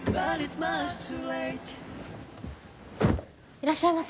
いらっしゃいませ。